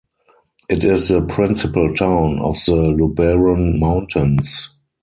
It is the principal town of the Luberon mountains.